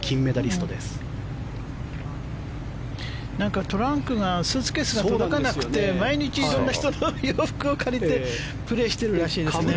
スーツケースが動かなくて毎日いろんな人の洋服を借りてプレーしてるらしいですね。